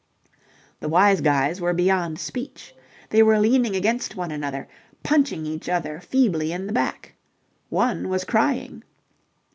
The Wise Guys were beyond speech. They were leaning against one another, punching each other feebly in the back. One was crying.